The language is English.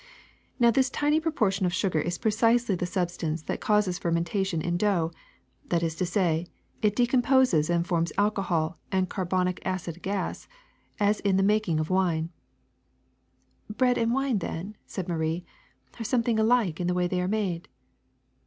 Now this tiny proportion of sugar is precisely the substance that causes fermen tation in dough; that is to say, it decomposes and forms alcohol and carbonic acid gas, as in the mak ing of wine." *^ Bread and wine, then,'' said Marie, ^*are some thing alike in the way they are made."